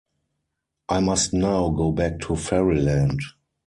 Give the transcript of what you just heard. I must now go back to Fairyland.